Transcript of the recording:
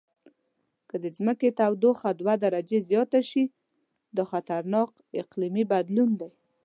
که د ځمکې تودوخه دوه درجې زیاته شي، دا خطرناک اقلیمي بدلون دی.